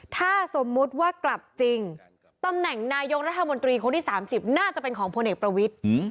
ถ้าสมมุติว่ากลับจริงตำแหน่งนายกรัฐมนตรีคนที่๓๐น่าจะเป็นของพลเอกประวิทธิ์